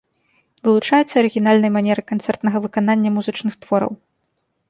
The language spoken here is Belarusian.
Вылучаецца арыгінальнай манерай канцэртнага выканання музычных твораў.